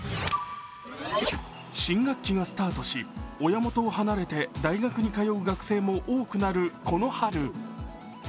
新学期がスタートし、親元を離れて大学に通う学生も多くなるこの春。